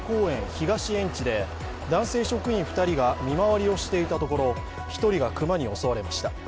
東園地で、男性職員２人が見回りをしていたところ１人が熊に襲われました。